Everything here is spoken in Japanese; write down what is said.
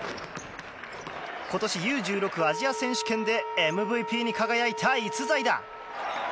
今年Ｕ‐１６アジア選手権でＭＶＰに輝いた逸材だ。